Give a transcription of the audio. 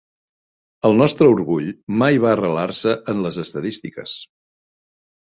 El nostre orgull mai va arrelar-se en les estadístiques.